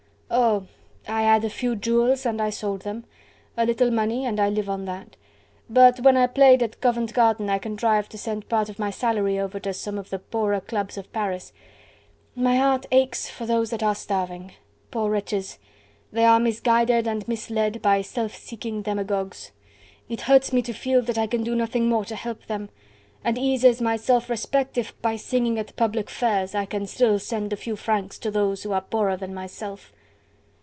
"Oh! I had a few jewels and I sold them.... A little money and I live on that.... But when I played at Covent Garden I contrived to send part of my salary over to some of the poorer clubs of Paris. My heart aches for those that are starving.... Poor wretches, they are misguided and misled by self seeking demagogues.... It hurts me to feel that I can do nothing more to help them... and eases my self respect if, by singing at public fairs, I can still send a few francs to those who are poorer than myself."